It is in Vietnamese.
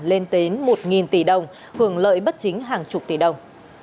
lên đến một tỷ đồng hưởng lợi bất chính hàng chục tỷ đồng